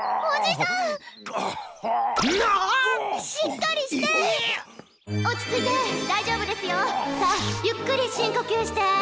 さあゆっくり深呼吸して。